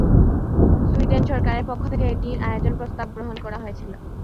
Sweden সরকারের পক্ষ থেকে এটির আয়োজনের প্রস্তাব গ্রহণ করা হয়েছিল।